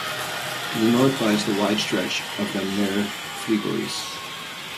To the north lies the wide stretch of the Mare Frigoris.